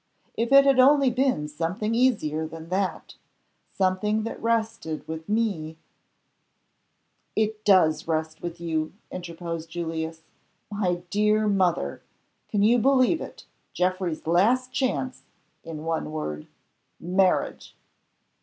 If it had only been something easier than that; something that rested with me " "It does rest with you," interposed Julius. "My dear mother! can you believe it? Geoffrey's last chance is (in one word) Marriage!"